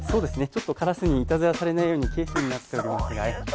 カラスにいたずらされないようにケースになっておりますが。